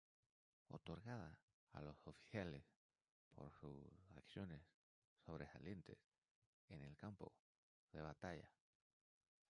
Otorgada a los oficiales por sus acciones sobresalientes en el campo de batalla.